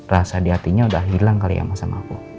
rasa di hatinya udah hilang kali ya sama aku